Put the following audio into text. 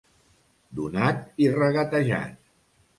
Donat i regatejat.